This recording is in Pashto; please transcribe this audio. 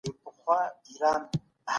مرګ به خامخا یوه ورځ راځي.